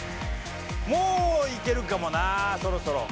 もういけるかもなそろそろ。